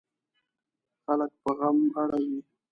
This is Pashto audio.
خلک په غم اړوي.